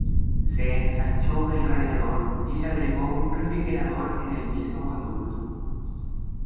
Se ensanchó el radiador y se agregó un refrigerador en el mismo conducto.